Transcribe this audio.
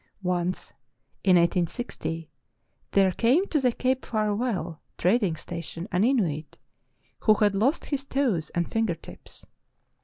Once, in i860, there came to the Cape Farewell trad ing station an Inuit who had lost his toes and finger tips.